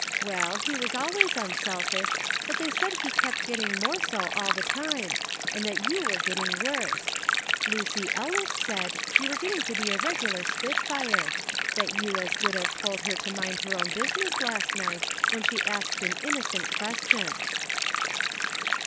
Well, he was always unselfish, but they said he kept getting more so all the time, and that you were getting worse. Lucy Ellis said you were getting to be a regular spitfire ; that you as good as told her to mind DISAPPOINTMENT, !« her own business last night when she asked an innocent question."